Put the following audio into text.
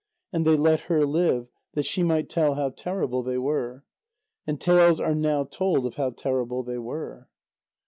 And they let her live, that she might tell how terrible they were. And tales are now told of how terrible they were.